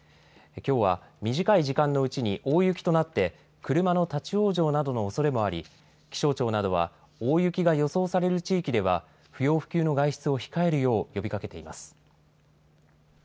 きょうは短い時間のうちに大雪となって車の立往生などのおそれもあり気象庁などは大雪が予想される地域では不要不急の外出を控えるよう呼びかけています。